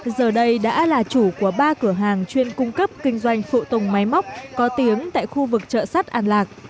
giờ đây đã là chủ của ba cửa hàng chuyên cung cấp kinh doanh phụ tùng máy móc có tiếng tại khu vực chợ sắt an lạc